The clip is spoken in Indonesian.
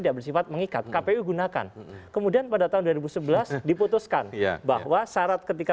tidak bersifat mengikat kpu gunakan kemudian pada tahun dua ribu sebelas diputuskan bahwa syarat ketika